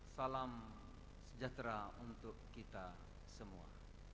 salam sejahtera untuk kita semua